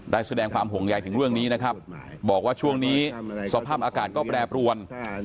แสดงความห่วงใยถึงเรื่องนี้นะครับบอกว่าช่วงนี้สภาพอากาศก็แปรปรวน